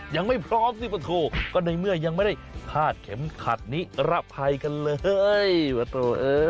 ยังไม่พร้อมสิปะโถก็ในเมื่อยังไม่ได้คาดเข็มขัดนิรภัยกันเลยประตูเออ